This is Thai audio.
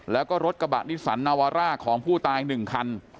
แล้วก็รถกระบะนิสันนาวาร่าของผู้ตาย๑คัน